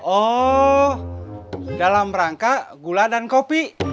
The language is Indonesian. oh dalam rangka gula dan kopi